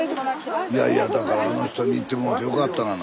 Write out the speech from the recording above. スタジオいやいやだからあの人に行ってもろうてよかったがな。